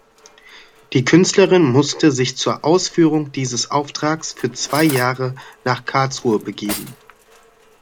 Die Künstlerin musste sich zur Ausführung dieses Auftrags für zwei Jahre nach Karlsruhe begeben.